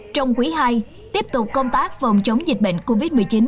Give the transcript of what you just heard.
trong quý ii tiếp tục công tác phòng chống dịch bệnh covid một mươi chín